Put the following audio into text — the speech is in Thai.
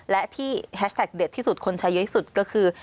และที่แฮชแท็กเด็ดที่สุดคนใช้เยอะที่สุดก็คือ